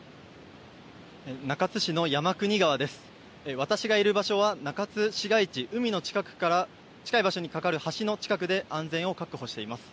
私がいる場所は中津市街地海の近い場所に架かる橋の近くで安全を確保しています。